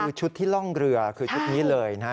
คือชุดที่ล่องเรือคือชุดนี้เลยนะ